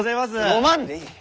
飲まんでいい！